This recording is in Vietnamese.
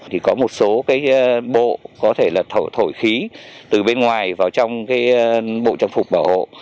thì có một số bộ có thể là thổi khí từ bên ngoài vào trong bộ trang phục bảo hộ